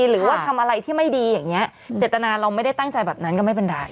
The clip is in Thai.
หรือว่าทำอะไรที่ไม่ดีอย่างนี้เจตนาเราไม่ได้ตั้งใจแบบนั้นก็ไม่เป็นไร